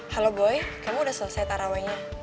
halo boy kamu udah selesai tarawe nya